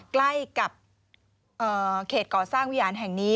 ใกล้กับเขตก่อสร้างวิหารแห่งนี้